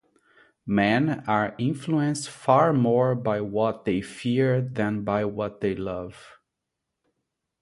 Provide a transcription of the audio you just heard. Men are influenced far more by what they fear than by what they love.